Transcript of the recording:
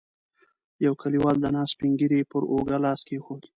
يوه کليوال د ناست سپين ږيری پر اوږه لاس کېښود.